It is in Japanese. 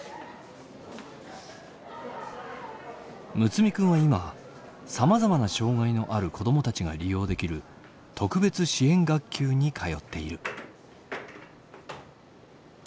睦弥君は今さまざまな障害のある子どもたちが利用できる特別支援学級に通っている。